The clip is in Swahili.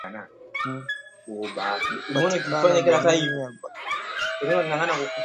Hupatikana jamii ya Barbaik ambayo hufanya mazishi ya heshima kwa wazee